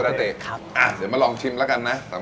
อันเส้าอาซาฮิกาวา